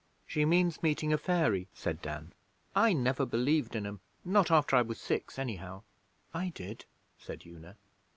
'She means meeting a fairy,' said Dan. 'I never believed in 'em not after I was six, anyhow.' 'I did,' said Una.